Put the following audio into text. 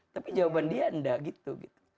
tapi jawaban dia enggak gitu